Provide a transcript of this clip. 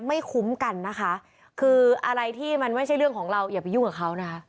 ไม่คุ้มกันนะคะคืออะไรที่มันไม่ใช่เรื่องของเราอย่าไปยุ่งกับเขานะคะ